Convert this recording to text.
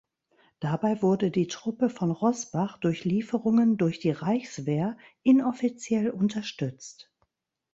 Dabei wurde die Truppe von Roßbach durch Lieferungen durch die Reichswehr inoffiziell unterstützt.